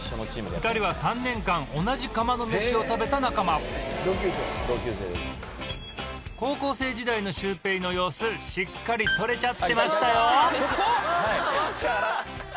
２人は３年間同じ釜の飯を食べた仲間高校生時代のシュウペイの様子しっかり撮れちゃってましたよ